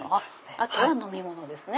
あとは飲み物ですね。